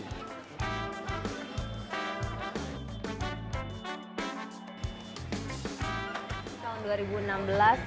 saurseli menemukan kemampuan untuk menjaga kemampuan saurseli